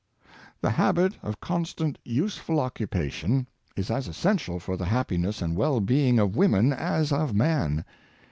The habit of constant useful occupation is as essential for the happiness and well being of women as of man.